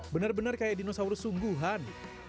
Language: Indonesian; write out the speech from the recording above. benar benar kayak dinosaurus sungguhan